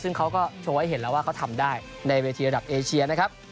ซึ่งเขาก็โชว์ให้เห็นแล้วว่าเขาทำได้ในเวทีระดับเอเชียนะครับ